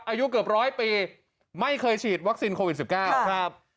อายุเกือบร้อยปีไม่เคยฉีดวัคซีนโควิด๑๙ครับ